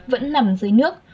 vẫn nằm dưới nước